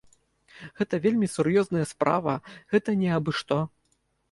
Гэта вельмі сур'ёзная справа, гэта не абы-што.